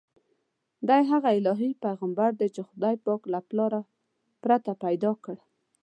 دی هغه الهي پیغمبر دی چې خدای پاک له پلار پرته پیدا کړ.